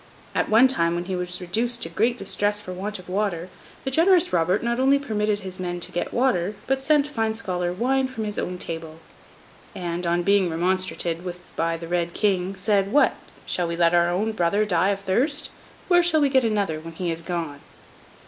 At one time, when he was reduced to great distress for want of water, the generous Robert not only permitted his men to get water, but sent Fine Scholar wine from his own table; and, on being remonstrated with by the Red King, said 'What! shall we let our own brother die of thirst? Where shall we get another, when he is gone?